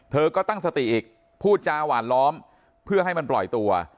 เธอก็ตั้งสติอีกพูดจาหวานล้อมเพื่อให้มันปล่อยตัว